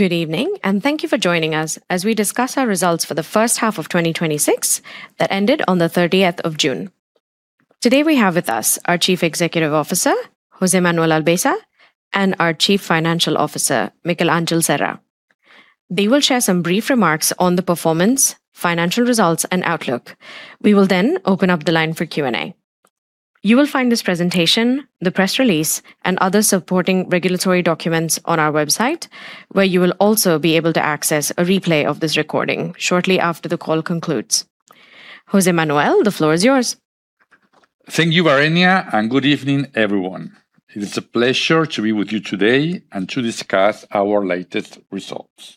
Good evening. Thank you for joining us as we discuss our Results for the First Half of 2026 that ended on the 30th of June. Today we have with us our Chief Executive Officer, Jose Manuel Albesa, and our Chief Financial Officer, Miquel Angel Serra. They will share some brief remarks on the performance, financial results, and outlook. We will open up the line for Q&A. You will find this presentation, the press release, and other supporting regulatory documents on our website, where you will also be able to access a replay of this recording shortly after the call concludes. Jose Manuel, the floor is yours. Thank you, Varenya. Good evening, everyone. It is a pleasure to be with you today and to discuss our latest results.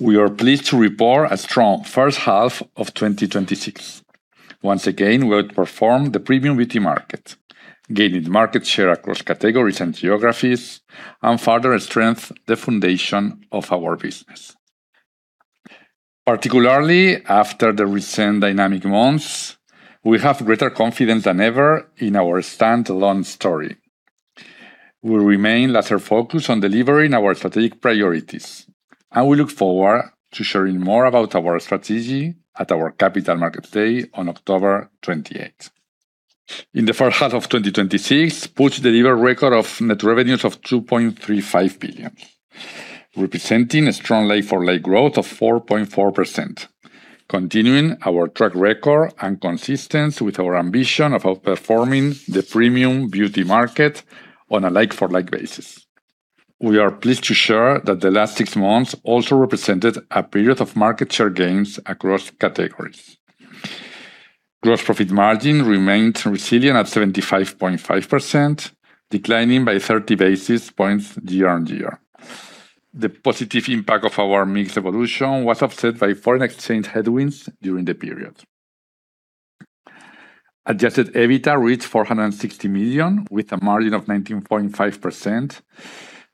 We are pleased to report a strong first half of 2026. Once again, we outperformed the premium beauty market, gaining market share across categories and geographies, further strengthened the foundation of our business. Particularly after the recent dynamic months, we have greater confidence than ever in our standalone story. We remain laser-focused on delivering our strategic priorities, we look forward to sharing more about our strategy at our Capital Markets Day on October 28th. In the first half of 2026, Puig delivered record net revenues of 2.35 billion, representing a strong like-for-like growth of 4.4%, continuing our track record and consistent with our ambition of outperforming the premium beauty market on a like-for-like basis. We are pleased to share that the last six months also represented a period of market share gains across categories. Gross profit margin remained resilient at 75.5%, declining by 30 basis points year-on-year. The positive impact of our mix evolution was offset by foreign exchange headwinds during the period. Adjusted EBITDA reached 460 million with a margin of 19.5%.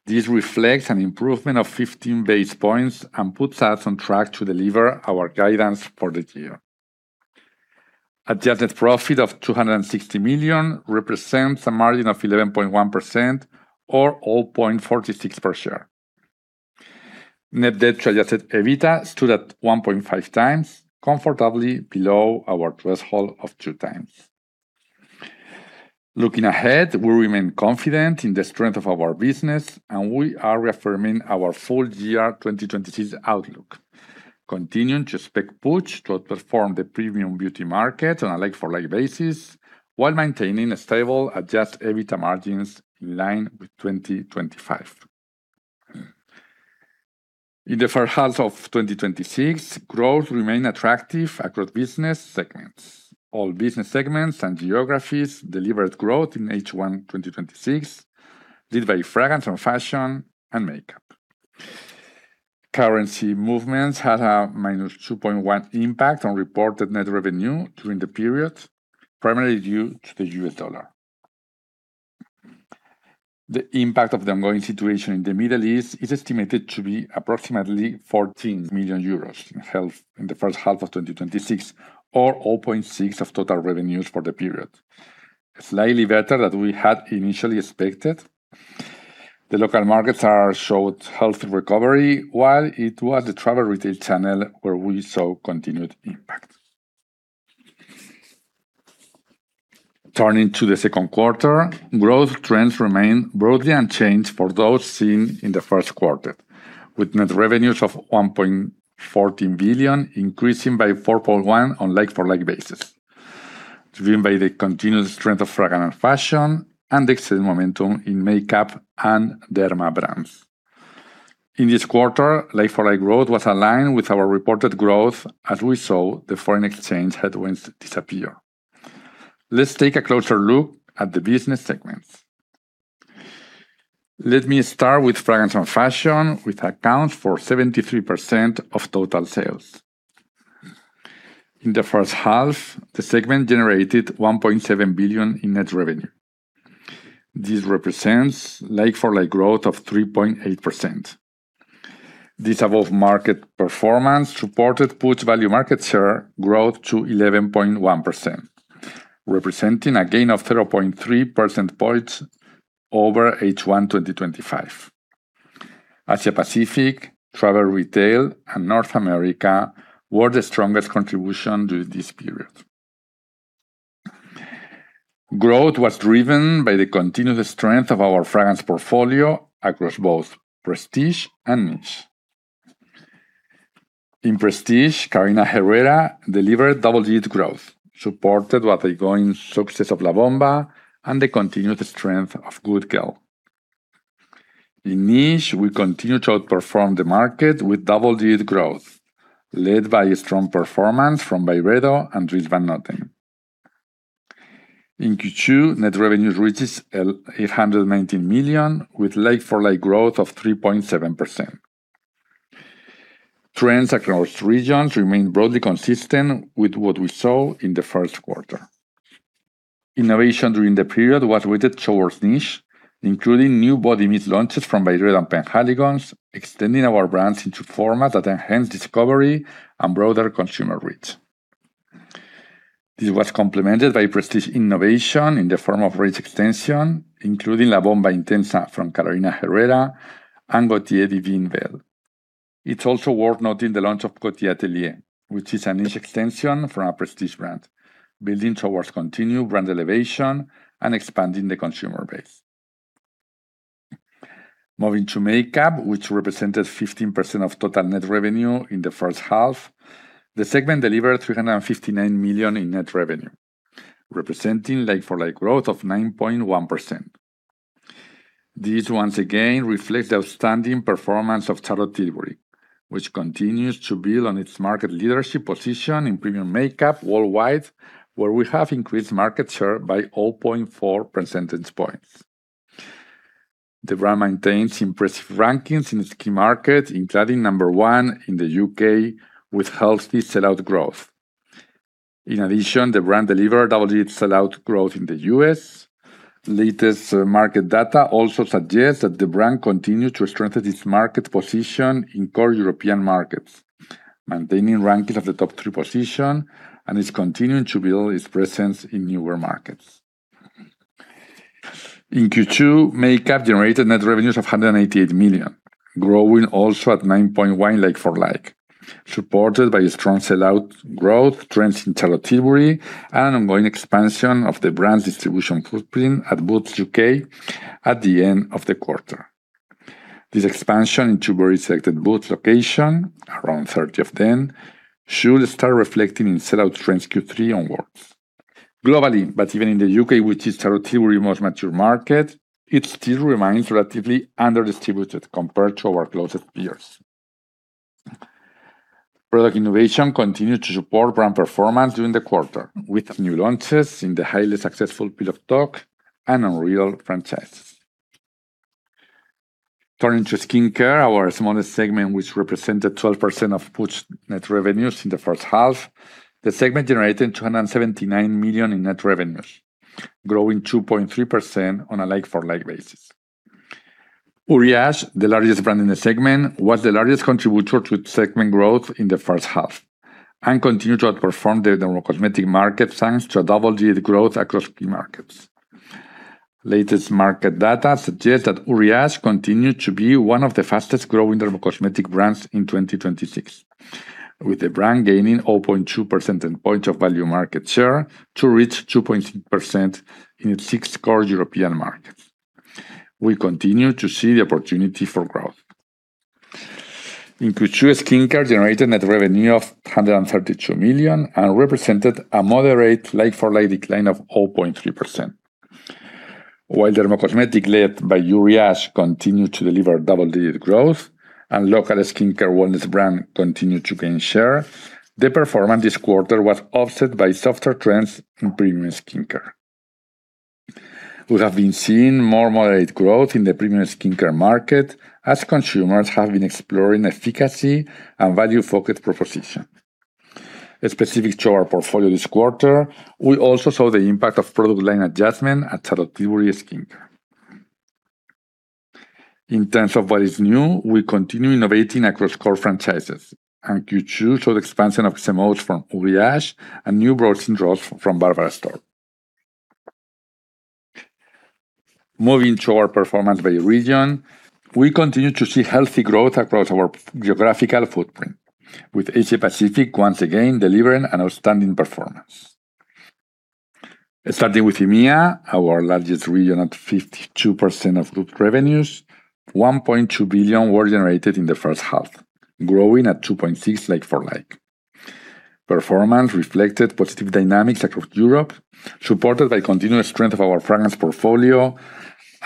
This reflects an improvement of 15 basis points puts us on track to deliver our guidance for the year. Adjusted profit of 260 million represents a margin of 11.1%, or 0.46 per share. Net debt to adjusted EBITDA stood at 1.5x, comfortably below our threshold of 2x. Looking ahead, we remain confident in the strength of our business, we are reaffirming our full year 2026 outlook, continuing to expect Puig to outperform the premium beauty market on a like-for-like basis while maintaining stable adjusted EBITDA margins in line with 2025. In the first half of 2026, growth remained attractive across business segments. All business segments and geographies delivered growth in H1 2026, led by Fragrance and Fashion and Makeup. Currency movements had a -2.1% impact on reported net revenue during the period, primarily due to the U.S. dollar. The impact of the ongoing situation in the Middle East is estimated to be approximately 14 million euros in the first half of 2026, or 0.6% of total revenues for the period, slightly better than we had initially expected. The local markets showed healthy recovery while it was the travel retail channel where we saw continued impact. Turning to the second quarter, growth trends remained broadly unchanged for those seen in the first quarter, with net revenues of 1.14 billion increasing by 4.1% on a like-for-like basis, driven by the continued strength of Fragrance and Fashion and the extreme momentum in Makeup and Derma brands. In this quarter, like-for-like growth was aligned with our reported growth as we saw the foreign exchange headwinds disappear. Let's take a closer look at the business segments. Let me start with Fragrance and Fashion, which accounts for 73% of total sales. In the first half, the segment generated 1.7 billion in net revenue. This represents like-for-like growth of 3.8%. This above-market performance supported Puig's value market share growth to 11.1%, representing a gain of 0.3 percentage points over H1 2025. Asia Pacific, Travel Retail, and North America were the strongest contributors during this period. Growth was driven by the continued strength of our fragrance portfolio across both prestige and niche. In prestige, Carolina Herrera delivered double-digit growth, supported by the ongoing success of La Bomba and the continued strength of Good Girl. In niche, we continued to outperform the market with double-digit growth, led by a strong performance from Byredo and Dries Van Noten. In Q2, net revenues reached 819 million with like-for-like growth of 3.7%. Trends across regions remained broadly consistent with what we saw in the first quarter. Innovation during the period was weighted towards niche, including new body mist launches from Byredo and Penhaligon's, extending our brands into formats that enhance discovery and broader consumer reach. This was complemented by prestige innovation in the form of range extension, including La Bomba Intensa from Carolina Herrera and Gaultier Divine Belle. It's also worth noting the launch of Les Ateliers Gaultier, which is a niche extension from a prestige brand, building towards continued brand elevation and expanding the consumer base. Moving to makeup, which represented 15% of total net revenue in the first half, the segment delivered 359 million in net revenue, representing like-for-like growth of 9.1%. This once again reflects the outstanding performance of Charlotte Tilbury, which continues to build on its market leadership position in premium makeup worldwide, where we have increased market share by 0.4 percentage points. The brand maintains impressive rankings in its key markets, including number one in the U.K., with healthy sell-out growth. In addition, the brand delivered double-digit sell-out growth in the U.S. Latest market data also suggests that the brand continues to strengthen its market position in core European markets, maintaining rankings of the top three position and is continuing to build its presence in newer markets. In Q2, makeup generated net revenues of 188 million, growing also at 9.1% like-for-like, supported by strong sell-out growth trends in Charlotte Tilbury and ongoing expansion of the brand's distribution footprint at Boots U.K. at the end of the quarter. This expansion into very selected Boots locations, around 30 of them, should start reflecting in sell-out trends Q3 onwards. Globally, but even in the U.K., which is Charlotte Tilbury most mature market, it still remains relatively under-distributed compared to our closest peers. Product innovation continued to support brand performance during the quarter, with new launches in the highly successful Pillow Talk and Unreal franchise. Turning to skincare, our smallest segment, which represented 12% of Puig's net revenues in the first half, the segment generated 279 million in net revenues, growing 2.3% on a like-for-like basis. Uriage, the largest brand in the segment, was the largest contributor to segment growth in the first half and continued to outperform the dermo-cosmetic market, thanks to double-digit growth across key markets. Latest market data suggests that Uriage continued to be one of the fastest-growing dermo-cosmetic brands in 2026, with the brand gaining 0.2 percentage points of value market share to reach 2.8% in six core European markets. We continue to see the opportunity for growth. In Q2, skincare generated net revenue of 132 million and represented a moderate like-for-like decline of 0.3%. While Dermo-Cosmetic, led by Uriage, continued to deliver double-digit growth, and local skincare wellness brand continued to gain share, the performance this quarter was offset by softer trends in premium skincare. We have been seeing more moderate growth in the premium skincare market as consumers have been exploring efficacy and value-focused propositions. Specific to our portfolio this quarter, we also saw the impact of product line adjustment at Charlotte Tilbury Skincare. In terms of what is new, we continue innovating across core franchises, and Q2 saw the expansion of Xémose from Uriage and new broad inroads from Dr. Barbara Sturm. Moving to our performance by region, we continued to see healthy growth across our geographical footprint, with Asia Pacific once again delivering an outstanding performance. Starting with EMEA, our largest region at 52% of group revenues, 1.2 billion were generated in the first half, growing at 2.6% like-for-like. Performance reflected positive dynamics across Europe, supported by continued strength of our fragrance portfolio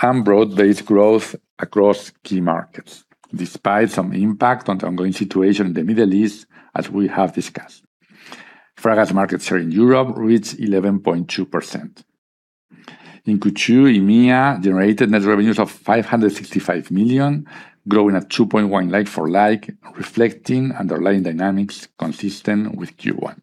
and broad-based growth across key markets, despite some impact on the ongoing situation in the Middle East, as we have discussed. Fragrance market share in Europe reached 11.2%. In Q2, EMEA generated net revenues of 565 million, growing at 2.1% like-for-like, reflecting underlying dynamics consistent with Q1.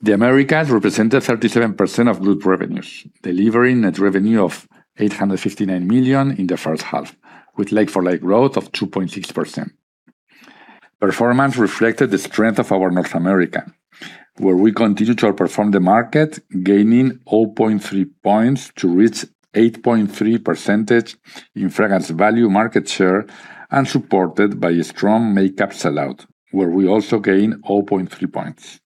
The Americas represented 37% of group revenues, delivering net revenue of 859 million in the first half with like-for-like growth of 2.6%. Performance reflected the strength of our North America, where we continued to outperform the market, gaining 0.3 points to reach 8.3% in fragrance value market share and supported by strong makeup sell-out, where we also gained 0.3 points.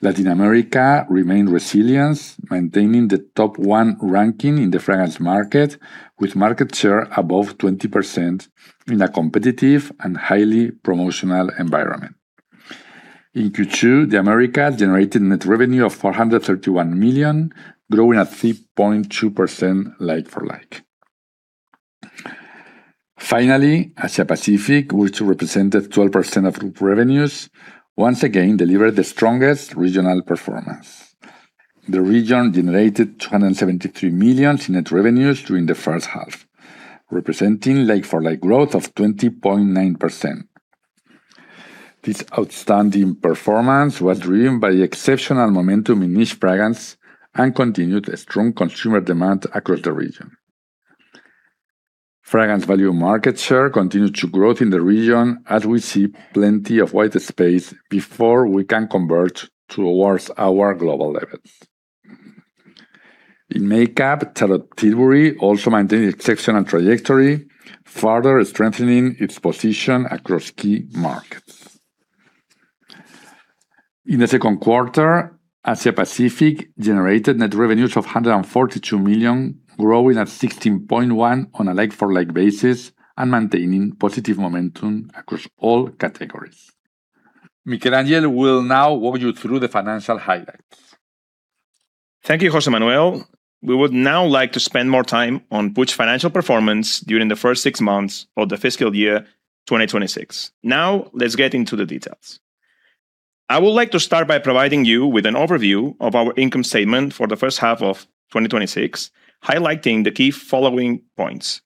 Latin America remained resilient, maintaining the top one ranking in the fragrance market with market share above 20% in a competitive and highly promotional environment. In Q2, the Americas generated net revenue of 431 million, growing at 3.2% like-for-like. Finally, Asia Pacific, which represented 12% of group revenues, once again delivered the strongest regional performance. The region generated 273 million in net revenues during the first half, representing like-for-like growth of 20.9%. This outstanding performance was driven by exceptional momentum in niche fragrance and continued strong consumer demand across the region. Fragrance value market share continued to grow in the region as we see plenty of white space before we can convert towards our global levels. In makeup, Charlotte Tilbury also maintained exceptional trajectory, further strengthening its position across key markets. In the second quarter, Asia Pacific generated net revenues of 142 million, growing at 16.1% on a like-for-like basis and maintaining positive momentum across all categories. Miquel Angel will now walk you through the financial highlights. Thank you, Jose Manuel. We would now like to spend more time on Puig's financial performance during the first six months of fiscal year 2026. Let's get into the details. I would like to start by providing you with an overview of our income statement for the first half of 2026, highlighting the key following points.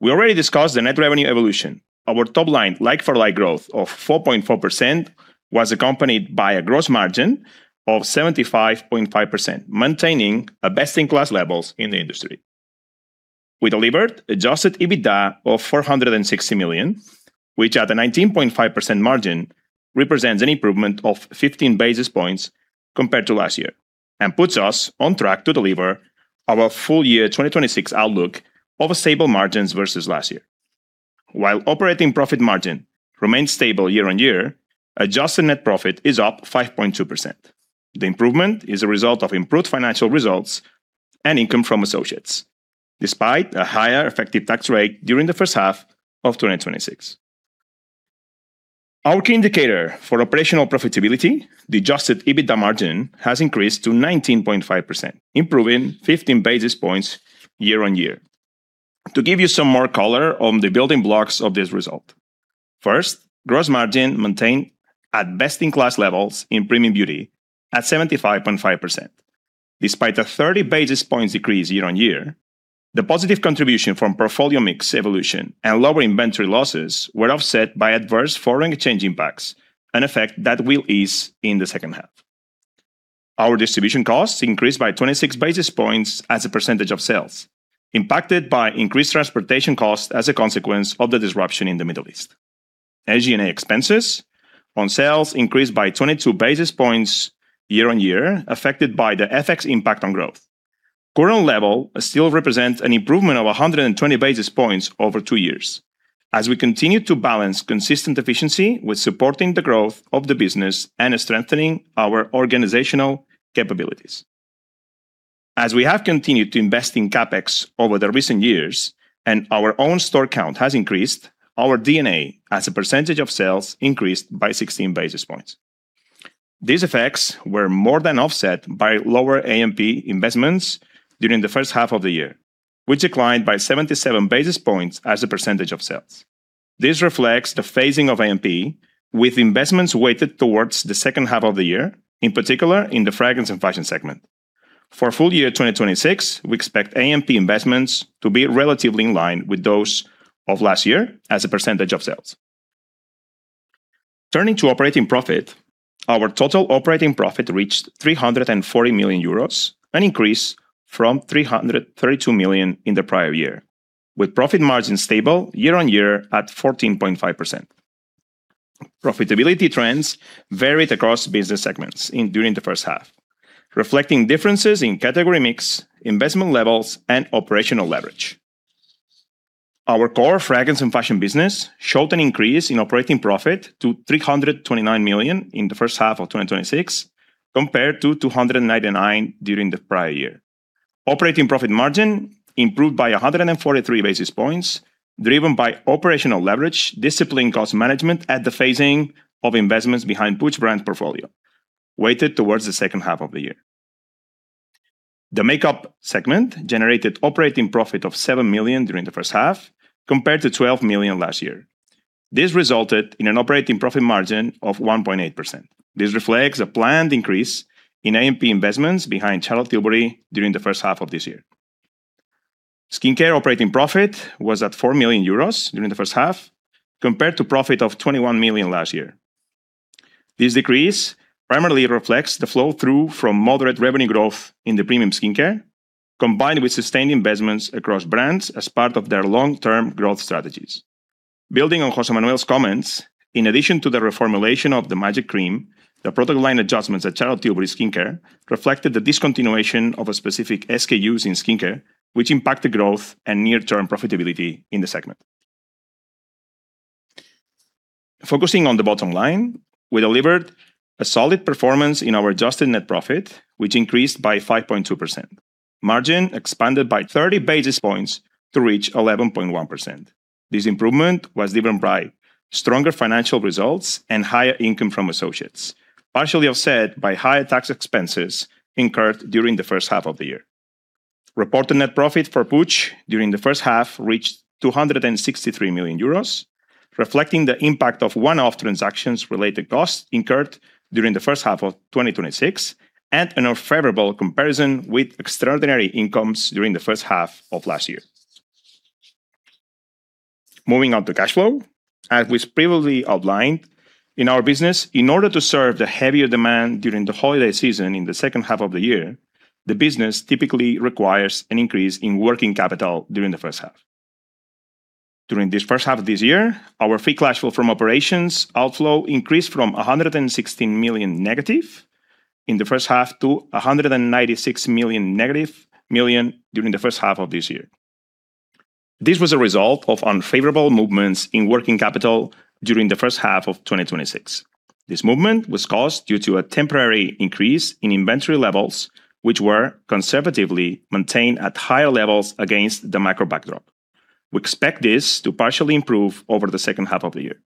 We already discussed the net revenue evolution. Our top line like-for-like growth of 4.4% was accompanied by a gross margin of 75.5%, maintaining best-in-class levels in the industry. We delivered adjusted EBITDA of 460 million, which at a 19.5% margin, represents an improvement of 15 basis points compared to last year and puts us on track to deliver our full year 2026 outlook of stable margins versus last year. While operating profit margin remains stable year-on-year, adjusted net profit is up 5.2%. The improvement is a result of improved financial results and income from associates, despite a higher effective tax rate during the first half of 2026. Our key indicator for operational profitability, the adjusted EBITDA margin, has increased to 19.5%, improving 15 basis points year-on-year. To give you some more color on the building blocks of this result. First, gross margin maintained at best-in-class levels in premium beauty at 75.5%. Despite a 30 basis points decrease year-on-year, the positive contribution from portfolio mix evolution and lower inventory losses were offset by adverse foreign exchange impacts, an effect that will ease in the second half. Our distribution costs increased by 26 basis points as a percentage of sales, impacted by increased transportation costs as a consequence of the disruption in the Middle East. SG&A expenses on sales increased by 22 basis points year-on-year, affected by the FX impact on growth. Current level still represents an improvement of 120 basis points over two years, as we continue to balance consistent efficiency with supporting the growth of the business and strengthening our organizational capabilities. As we have continued to invest in CapEx over the recent years and our own store count has increased, our D&A as a percentage of sales increased by 16 basis points. These effects were more than offset by lower A&P investments during the first half of the year, which declined by 77 basis points as a percentage of sales. This reflects the phasing of A&P with investments weighted towards the second half of the year, in particular in the Fragrance and Fashion segment. For full year 2026, we expect A&P investments to be relatively in line with those of last year as a percentage of sales. Turning to operating profit, our total operating profit reached 340 million euros, an increase from 332 million in the prior year, with profit margin stable year-on-year at 14.5%. Profitability trends varied across business segments during the first half, reflecting differences in category mix, investment levels, and operational leverage. Our core Fragrance and Fashion business showed an increase in operating profit to 329 million in the first half of 2026, compared to 299 million during the prior year. Operating profit margin improved by 143 basis points, driven by operational leverage, disciplined cost management at the phasing of investments behind Puig Brand portfolio, weighted towards the second half of the year. The makeup segment generated operating profit of 7 million during the first half, compared to 12 million last year. This resulted in an operating profit margin of 1.8%. This reflects a planned increase in A&P investments behind Charlotte Tilbury during the first half of this year. Skincare operating profit was at 4 million euros during the first half, compared to profit of 21 million last year. This decrease primarily reflects the flow-through from moderate revenue growth in the premium skincare, combined with sustained investments across brands as part of their long-term growth strategies. Building on Jose Manuel's comments, in addition to the reformulation of the Magic Cream, the product line adjustments at Charlotte Tilbury Skincare reflected the discontinuation of specific SKUs in skincare, which impact the growth and near-term profitability in the segment. Focusing on the bottom line, we delivered a solid performance in our adjusted net profit, which increased by 5.2%. Margin expanded by 30 basis points to reach 11.1%. This improvement was driven by stronger financial results and higher income from associates, partially offset by higher tax expenses incurred during the first half of the year. Reported net profit for Puig during the first half reached 263 million euros, reflecting the impact of one-off transaction-related costs incurred during the first half of 2026, and an unfavorable comparison with extraordinary incomes during the first half of last year. Moving on to cash flow, as we previously outlined, in our business, in order to serve the heavier demand during the holiday season in the second half of the year, the business typically requires an increase in working capital during the first half. During this first half of this year, our free cash flow from operations outflow increased from 116 million negative in the first half to 196 million negative during the first half of this year. This was a result of unfavorable movements in working capital during the first half of 2026. This movement was caused due to a temporary increase in inventory levels, which were conservatively maintained at higher levels against the macro backdrop. We expect this to partially improve over the second half of the year.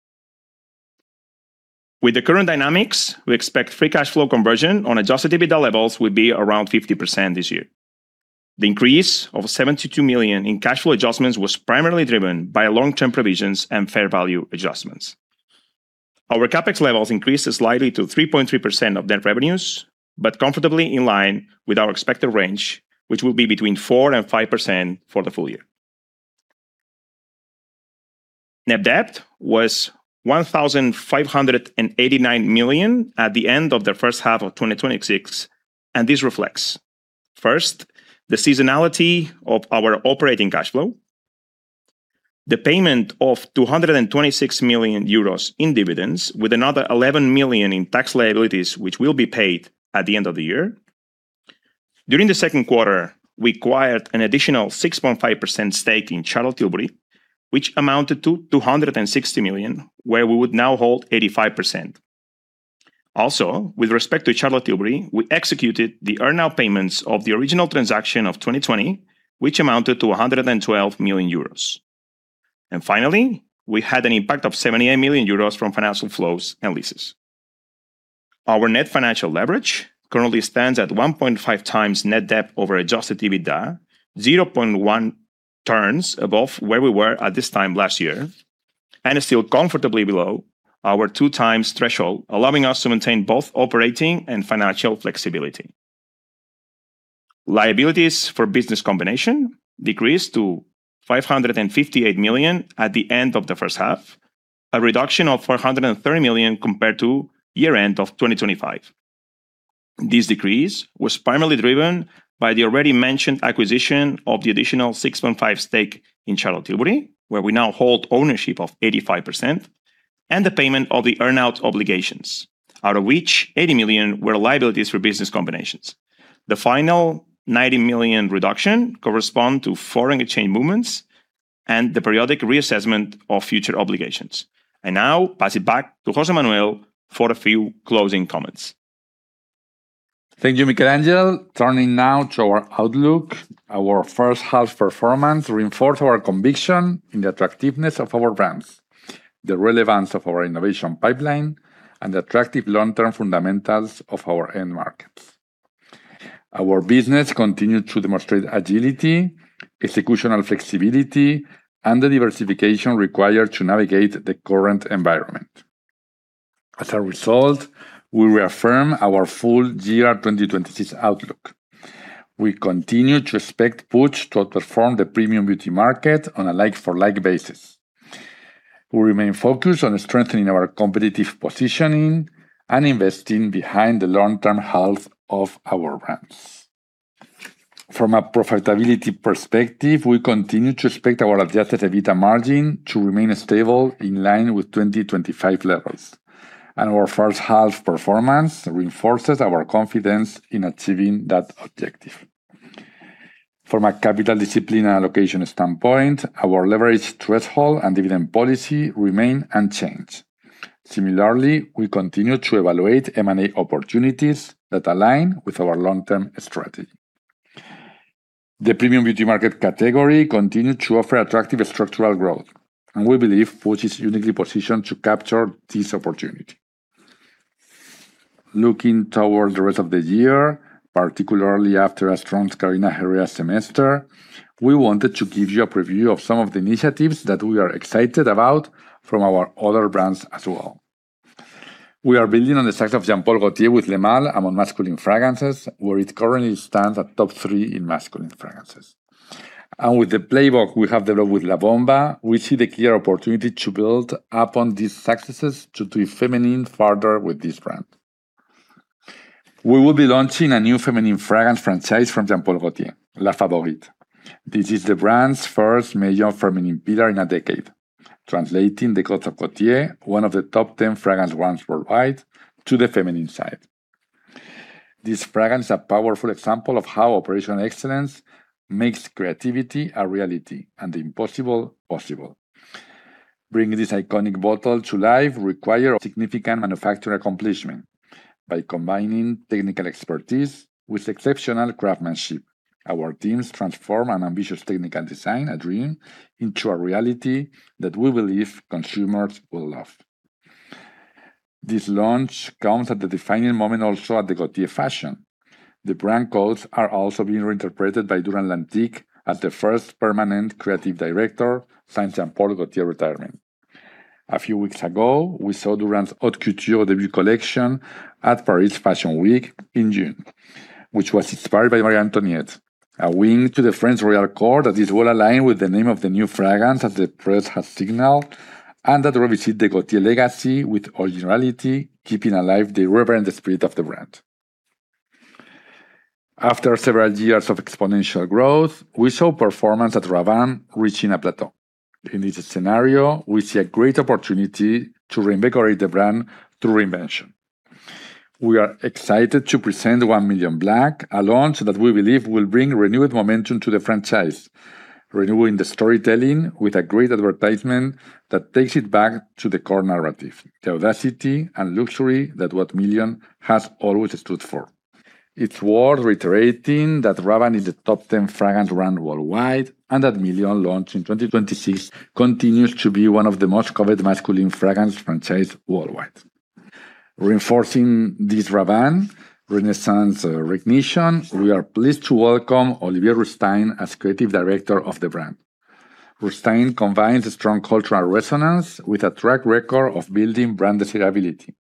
With the current dynamics, we expect free cash flow conversion on adjusted EBITDA levels will be around 50% this year. The increase of 72 million in cash flow adjustments was primarily driven by long-term provisions and fair value adjustments. Our CapEx levels increased slightly to 3.3% of net revenues, but comfortably in line with our expected range, which will be between 4%-5% for the full year. Net debt was 1,589 million at the end of the first half of 2026, and this reflects, first, the seasonality of our operating cash flow, the payment of 226 million euros in dividends, with another 11 million in tax liabilities, which will be paid at the end of the year. During the second quarter, we acquired an additional 6.5% stake in Charlotte Tilbury, which amounted to 260 million, where we would now hold 85%. Also, with respect to Charlotte Tilbury, we executed the earn-out payments of the original transaction of 2020, which amounted to 112 million euros. And finally, we had an impact of 78 million euros from financial flows and leases. Our net financial leverage currently stands at 1.5x net debt over adjusted EBITDA, 0.1 turns above where we were at this time last year, and is still comfortably below our 2x threshold, allowing us to maintain both operating and financial flexibility. Liabilities for business combination decreased to 558 million at the end of the first half, a reduction of 430 million compared to year-end of 2025. This decrease was primarily driven by the already mentioned acquisition of the additional 6.5% stake in Charlotte Tilbury, where we now hold ownership of 85%, and the payment of the earn-out obligations, out of which 80 million were liabilities for business combinations. The final 90 million reduction correspond to foreign exchange movements and the periodic reassessment of future obligations. I now pass it back to Jose Manuel for a few closing comments. Thank you, Miquel Angel. Turning now to our outlook, our first half performance reinforced our conviction in the attractiveness of our brands, the relevance of our innovation pipeline, and the attractive long-term fundamentals of our end markets. Our business continued to demonstrate agility, executional flexibility, and the diversification required to navigate the current environment. As a result, we reaffirm our full year 2026 outlook. We continue to expect Puig to outperform the premium beauty market on a like-for-like basis. We remain focused on strengthening our competitive positioning and investing behind the long-term health of our brands. From a profitability perspective, we continue to expect our adjusted EBITDA margin to remain stable in line with 2025 levels, and our first half performance reinforces our confidence in achieving that objective. From a capital discipline allocation standpoint, our leverage threshold and dividend policy remain unchanged. Similarly, we continue to evaluate M&A opportunities that align with our long-term strategy. The premium beauty market category continued to offer attractive structural growth, and we believe Puig is uniquely positioned to capture this opportunity. Looking toward the rest of the year, particularly after a strong Carolina Herrera semester, we wanted to give you a preview of some of the initiatives that we are excited about from our other brands as well. We are building on the success of Jean-Paul Gaultier with Le Male among masculine fragrances, where it currently stands at top three in masculine fragrances. With the playbook we have developed with La Bomba, we see the clear opportunity to build upon these successes to do feminine further with this brand. We will be launching a new feminine fragrance franchise from Jean-Paul Gaultier, La Favorite. This is the brand's first major feminine pillar in a decade, translating the codes of Gaultier, one of the top 10 fragrance brands worldwide, to the feminine side. This fragrance is a powerful example of how operational excellence makes creativity a reality and the impossible, possible. Bringing this iconic bottle to life required a significant manufacture accomplishment by combining technical expertise with exceptional craftsmanship. Our teams transformed an ambitious technical design, a dream, into a reality that we believe consumers will love. This launch comes at the defining moment also at the Gaultier fashion. The brand codes are also being reinterpreted by Duran Lantink as the first permanent creative director since Jean-Paul Gaultier retirement. A few weeks ago, we saw Duran's Haute Couture debut collection at Paris Fashion Week in June, which was inspired by Marie Antoinette, a wink to the French royal court that is well-aligned with the name of the new fragrance as the press has signaled, and that revisits the Gaultier legacy with originality, keeping alive the reverent spirit of the brand. After several years of exponential growth, we saw performance at Rabanne reaching a plateau. In this scenario, we see a great opportunity to reinvigorate the brand through reinvention. We are excited to present 1 Million Black, a launch that we believe will bring renewed momentum to the franchise, renewing the storytelling with a great advertisement that takes it back to the core narrative, the audacity and luxury that 1 Million has always stood for. It's worth reiterating that Rabanne is a top 10 fragrance brand worldwide, and that Million, launched in 2026, continues to be one of the most coveted masculine fragrance franchises worldwide. Reinforcing this Rabanne Renaissance recognition, we are pleased to welcome Olivier Rousteing as creative director of the brand. Rousteing combines a strong cultural resonance with a track record of building brand desirability.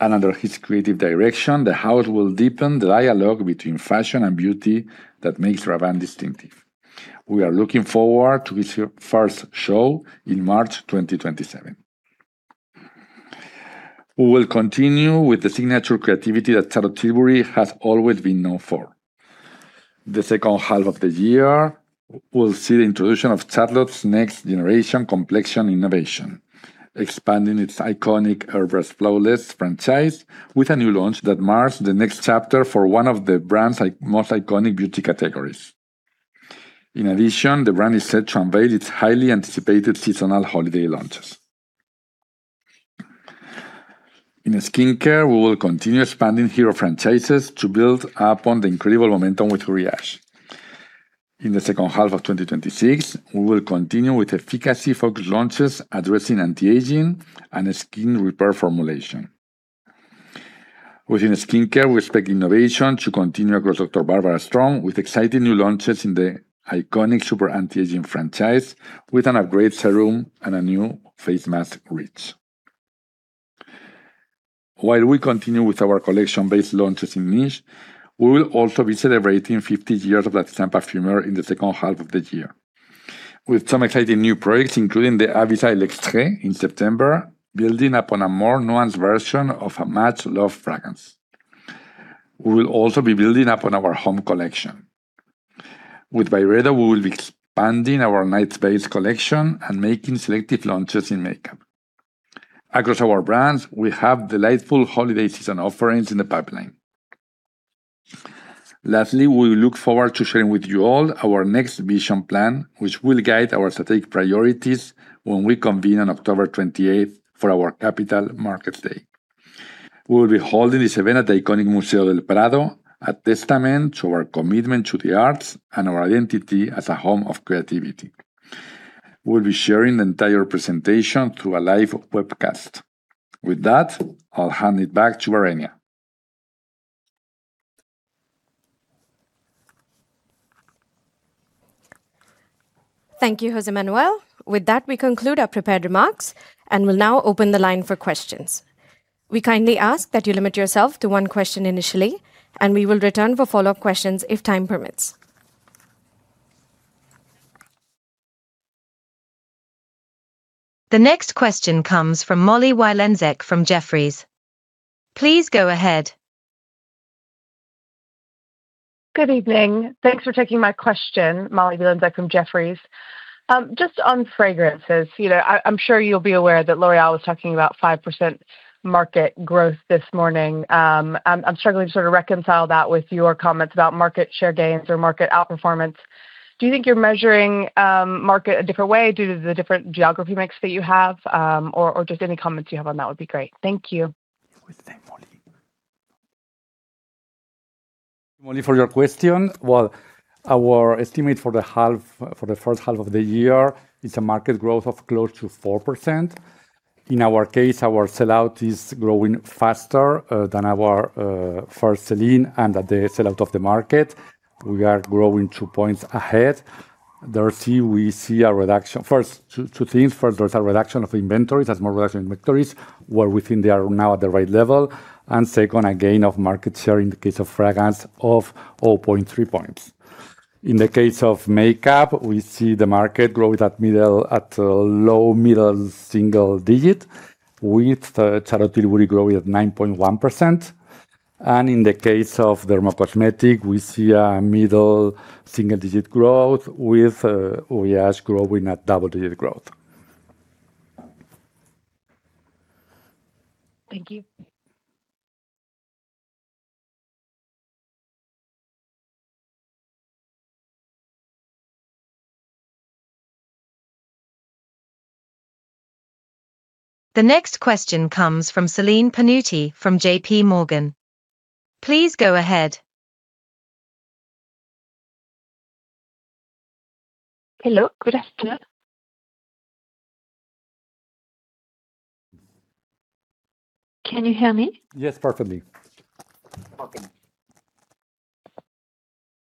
Under his creative direction, the house will deepen the dialogue between fashion and beauty that makes Rabanne distinctive. We are looking forward to his first show in March 2027. We will continue with the signature creativity that Charlotte Tilbury has always been known for. The second half of the year, we'll see the introduction of Charlotte's next-generation complexion innovation, expanding its iconic Airbrush Flawless franchise with a new launch that marks the next chapter for one of the brand's most iconic beauty categories. In addition, the brand is set to unveil its highly anticipated seasonal holiday launches. In skincare, we will continue expanding hero franchises to build upon the incredible momentum with Huit Rêves. In the second half of 2026, we will continue with efficacy-focused launches addressing anti-aging and skin repair formulation. Within skincare, we expect innovation to continue across Dr. Barbara Sturm, with exciting new launches in the iconic super anti-aging franchise, with an upgrade serum and a new face mask range. While we continue with our collection-based launches in niche, we will also be celebrating 50 years of L'Artisan Parfumeur in the second half of the year, with some exciting new products, including the Avis D'Extrait in September, building upon a more nuanced version of a much-loved fragrance. We will also be building upon our home collection. With Byredo, we will be expanding our nights-based collection and making selective launches in makeup. Across our brands, we have delightful holiday season offerings in the pipeline. Lastly, we look forward to sharing with you all our next vision plan, which will guide our strategic priorities when we convene on October 28th for our Capital Markets Day. We will be holding this event at the iconic Museo del Prado, a testament to our commitment to the arts and our identity as a home of creativity. We'll be sharing the entire presentation through a live webcast. With that, I'll hand it back to Varenya. Thank you, Jose Manuel. With that, we conclude our prepared remarks and will now open the line for questions. We kindly ask that you limit yourself to one question initially, and we will return for follow-up questions if time permits. The next question comes from Molly Wylenzek from Jefferies. Please go ahead. Good evening. Thanks for taking my question. Molly Wylenzek from Jefferies. On fragrances, I'm sure you'll be aware that L'Oréal was talking about 5% market growth this morning. I'm struggling to sort of reconcile that with your comments about market share gains or market outperformance. Do you think you're measuring market a different way due to the different geography mix that you have? Just any comments you have on that would be great. Thank you. Thank you, Molly, for your question. Well, our estimate for the first half of the year is a market growth of close to 4%. In our case, our sell-out is growing faster than our first sell-in and the sell-out of the market. We are growing two points ahead. First, two things. First, there's a reduction of inventories. There's more reduction in inventories, where we think they are now at the right level. Second, a gain of market share in the case of fragrance of 0.3 points. In the case of makeup, we see the market growing at low middle single digits, with Charlotte Tilbury growing at 9.1%. In the case of dermo-cosmetic, we see a middle single-digit growth, with Uriage growing at double-digit growth. Thank you. The next question comes from Céline Pannuti from JPMorgan. Please go ahead. Hello, good afternoon. Can you hear me? Yes, perfectly. Okay.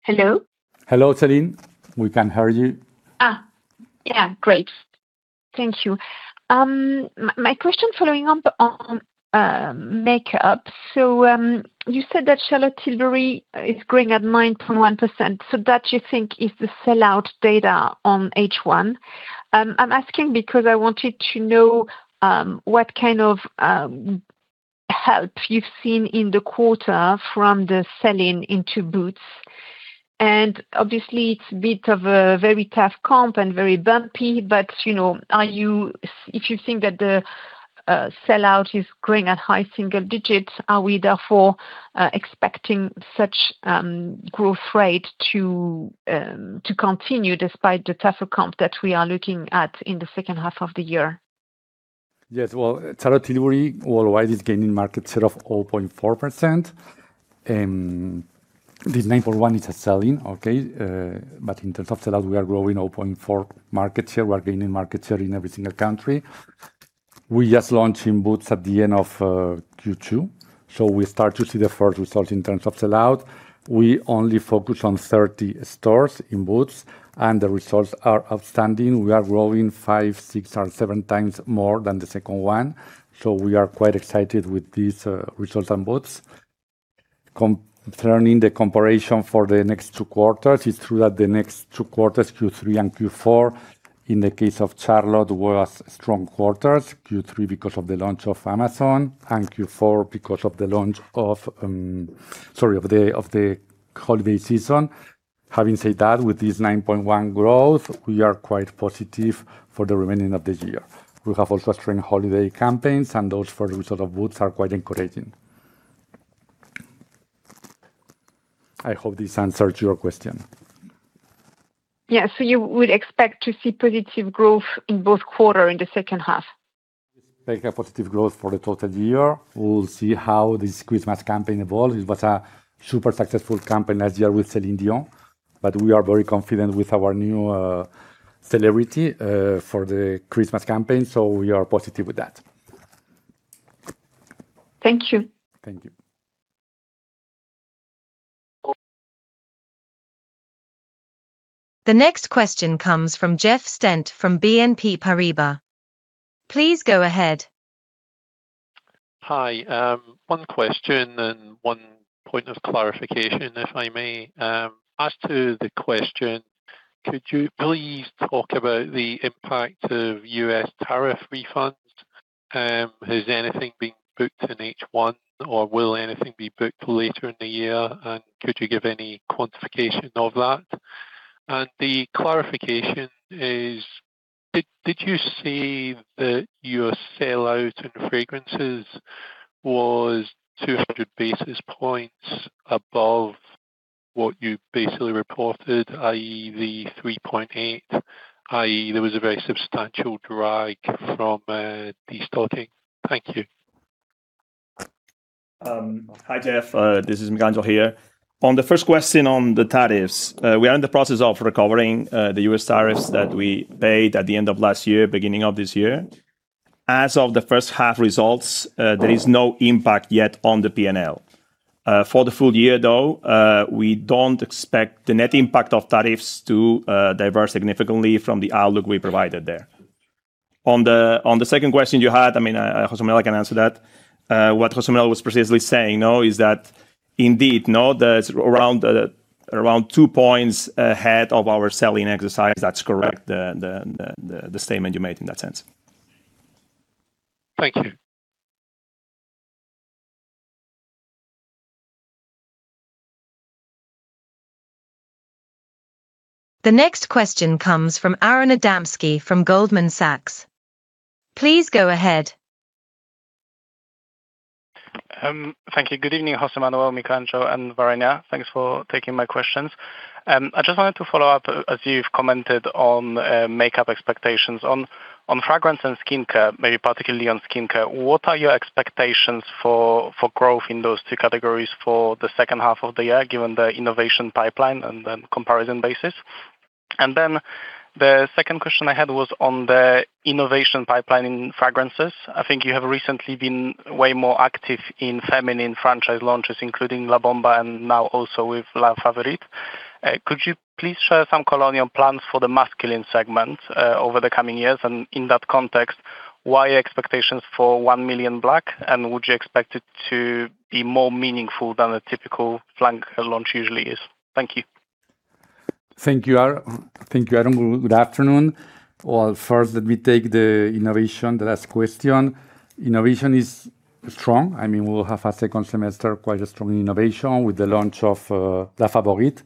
Hello? Hello, Céline. We can hear you. Yeah. Great. Thank you. My question following up on makeup. You said that Charlotte Tilbury is growing at 9.1%, so that you think is the sell-out data on H1. I'm asking because I wanted to know what kind of help you've seen in the quarter from the selling into Boots. Obviously it's a bit of a very tough comp and very bumpy, but if you think that the sell-out is growing at high single digits, are we therefore expecting such growth rate to continue despite the tougher comp that we are looking at in the second half of the year? Well, Charlotte Tilbury worldwide is gaining market share of 0.4%, and this 9.1 is a sell-in. Okay. In terms of sell-out, we are growing 0.4% market share. We are gaining market share in every single country. We just launched in Boots at the end of Q2, so we start to see the first results in terms of sell-out. We only focus on 30 stores in Boots, and the results are outstanding. We are growing five, six, or seven times more than the second one, so we are quite excited with these results on Boots. Concerning the comparison for the next two quarters, it's true that the next two quarters, Q3 and Q4, in the case of Charlotte, were strong quarters. Q3 because of the launch of Amazon, and Q4 because of the launch of the holiday season. Having said that, with this 9.1 growth, we are quite positive for the remaining of the year. We have also strong holiday campaigns, and those first result of Boots are quite encouraging. I hope this answers your question. Yeah. You would expect to see positive growth in both quarter in the second half? We expect a positive growth for the total year. We'll see how this Christmas campaign evolves. It was a super successful campaign last year with Celine Dion, we are very confident with our new celebrity for the Christmas campaign, we are positive with that. Thank you. Thank you. The next question comes from Jeff Stent from BNP Paribas. Please go ahead. Hi. One question and one point of clarification, if I may. As to the question, could you please talk about the impact of U.S. tariff refunds? Has anything been booked in H1 or will anything be booked later in the year, and could you give any quantification of that? The clarification is, did you say that your sell-out in fragrances was 200 basis points above what you basically reported, i.e., the 3.8, i.e., there was a very substantial drag from destocking? Thank you. Hi, Jeff. This is Miquel Angel here. On the first question on the tariffs, we are in the process of recovering the U.S. tariffs that we paid at the end of last year, beginning of this year. As of the first half results, there is no impact yet on the P&L. For the full year, though, we don't expect the net impact of tariffs to diverge significantly from the outlook we provided there. On the second question you had, Jose Manuel can answer that. What Jose Manuel was precisely saying, is that indeed, that it's around two points ahead of our sell-in exercise. That's correct, the statement you made in that sense. Thank you. The next question comes from Aron Adamski from Goldman Sachs. Please go ahead. Thank you. Good evening, Jose Manuel, Miquel, and Varenya. Thanks for taking my questions. I just wanted to follow up, as you've commented on makeup expectations. On fragrance and skincare, maybe particularly on skincare, what are your expectations for growth in those two categories for the second half of the year, given the innovation pipeline and then comparison basis? The second question I had was on the innovation pipeline in fragrances. I think you have recently been way more active in feminine franchise launches, including La Bomba and now also with La Favorite. Could you please share some color on your plans for the masculine segment over the coming years? In that context, why expectations for 1 Million Black, and would you expect it to be more meaningful than a typical flanker launch usually is? Thank you. Thank you, Aron. Good afternoon. First let me take the innovation, the last question. Innovation is strong. We will have a second semester, quite a strong innovation with the launch of La Favorite.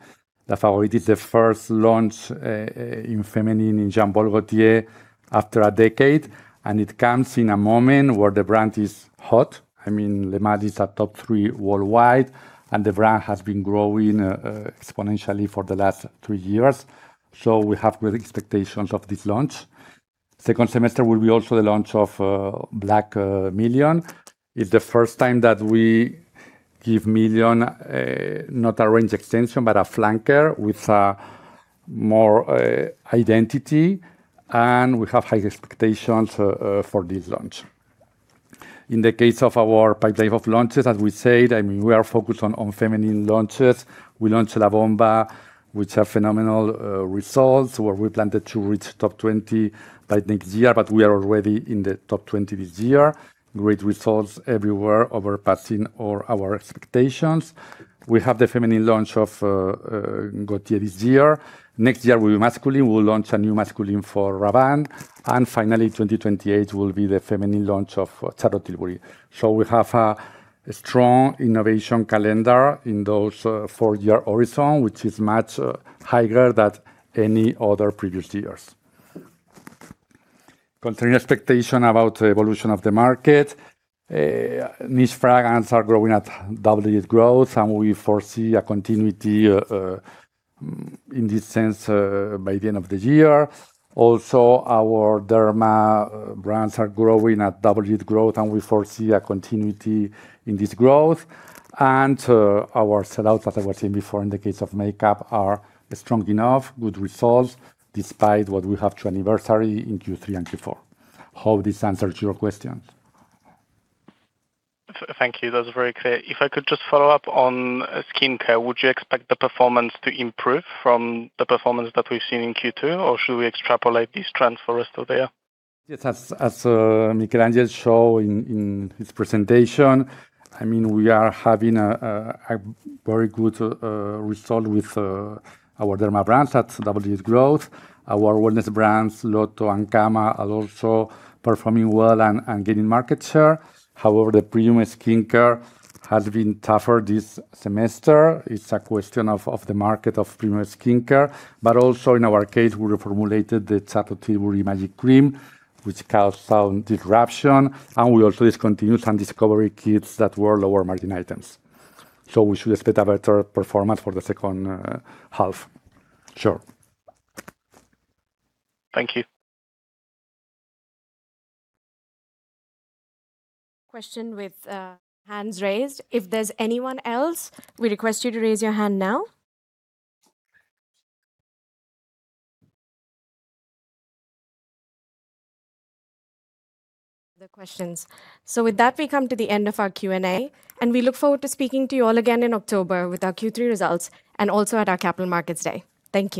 La Favorite is the first launch in feminine in Jean Paul Gaultier after a decade, and it comes in a moment where the brand is hot. Le Male is a top three worldwide, and the brand has been growing exponentially for the last three years. We have great expectations of this launch. Second semester will also be the launch of 1 Million Black. It is the first time that we give 1 Million, not a range extension, but a flanker with more identity, and we have high expectations for this launch. In the case of our pipeline of launches, as we said, we are focused on feminine launches. We launched La Bomba, which has phenomenal results, where we planned to reach top 20 by next year, but we are already in the top 20 this year. Great results everywhere, overpassing all our expectations. We have the feminine launch of Gaultier this year. Next year, we will be masculine. We will launch a new masculine for Rabanne. Finally, 2028 will be the feminine launch of Charlotte Tilbury. We have a strong innovation calendar in those four-year horizon, which is much higher than any other previous years. Concerning expectation about the evolution of the market, niche fragrances are growing at double-digit growth, and we foresee a continuity in this sense by the end of the year. Our Derma brands are growing at double-digit growth, and we foresee a continuity in this growth. Our sell-out, as I was saying before, in the case of makeup, are strong enough, good results despite what we have anniversary in Q3 and Q4. Hope this answers your question. Thank you. That was very clear. If I could just follow up on skincare, would you expect the performance to improve from the performance that we have seen in Q2, or should we extrapolate this trend for the rest of the year? Yes, as Miquel Angel show in his presentation, we are having a very good result with our Derma brands at double-digit growth. Our wellness brands, Loto del Sur and Kama Ayurveda, are also performing well and gaining market share. The premium skincare has been tougher this semester. It's a question of the market, of premium skincare. Also in our case, we reformulated the Charlotte Tilbury Magic Cream, which caused some disruption, and we also discontinued some discovery kits that were lower margin items. We should expect a better performance for the second half. Sure. Thank you. Question with hands raised. If there's anyone else, we request you to raise your hand now. Other questions. With that, we come to the end of our Q&A, and we look forward to speaking to you all again in October with our Q3 results and also at our Capital Markets Day. Thank you.